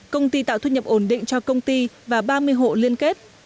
công ty tạo thu nhập ổn định cho công ty và ba mươi hộ liên kết